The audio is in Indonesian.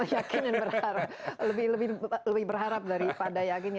yakin dan berharap lebih berharap daripada yakin ya